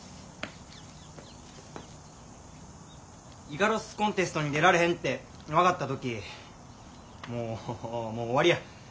イカロスコンテストに出られへんて分かった時もう終わりや。